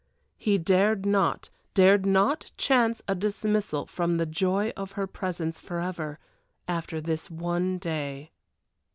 He dared not, dared not chance a dismissal from the joy of her presence forever, after this one day.